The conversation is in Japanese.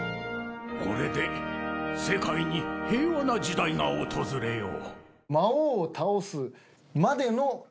これで世界に平和な時代が訪れよう。